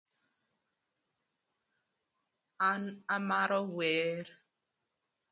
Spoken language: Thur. An amaro wer.